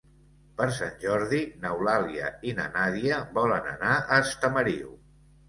Per Sant Jordi n'Eulàlia i na Nàdia volen anar a Estamariu.